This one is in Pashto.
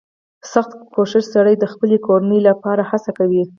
• سختکوش سړی د خپلې کورنۍ لپاره هڅه کوي.